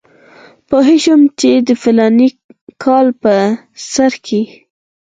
پوهېږم چې د فلاني کال په سر کې.